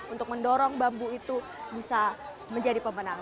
untuk mendorong bambu itu bisa menjadi pemenang